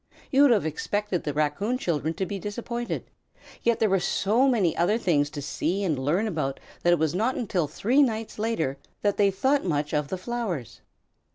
You would have expected the Raccoon children to be disappointed, yet there were so many other things to see and learn about that it was not until three nights later that they thought much of the flowers.